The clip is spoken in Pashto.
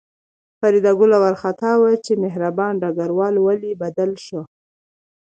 فریدګل وارخطا و چې مهربان ډګروال ولې بدل شو